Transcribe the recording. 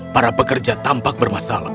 para pekerja tampak bermasalah